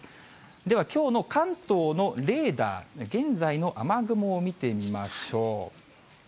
では、きょうの関東のレーダー、現在の雨雲を見てみましょう。